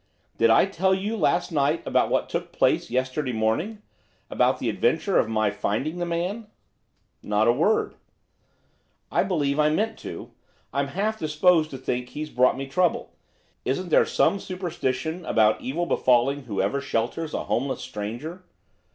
'Did I tell you last night about what took place yesterday morning, about the adventure of my finding the man?' 'Not a word.' 'I believe I meant to, I'm half disposed to think he's brought me trouble. Isn't there some superstition about evil befalling whoever shelters a homeless stranger?